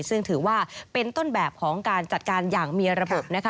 ซึ่งถือว่าเป็นต้นแบบของการจัดการอย่างมีระบบนะคะ